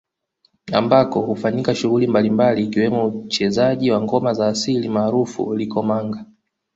Ambako hufanyika shughuli mbalimbali ikiwemo uchezaji wa ngoma za asili maarufu Likomanga